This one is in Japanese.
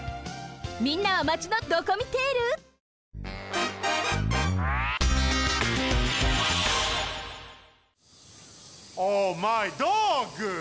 みんなはマチのドコミテール？オマイドッグ！